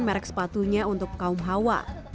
merek sepatunya untuk kaum hawa